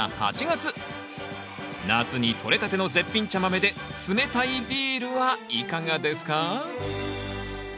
夏にとれたての絶品茶豆で冷たいビールはいかがですか？